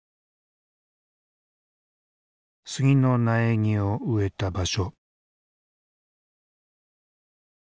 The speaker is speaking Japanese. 杉の苗木を植えた場所。